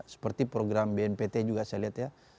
seperti program bnpt juga saya lihat ya